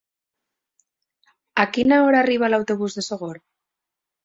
A quina hora arriba l'autobús de Sogorb?